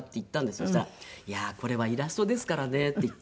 そしたら「これはイラストですからね」って言って。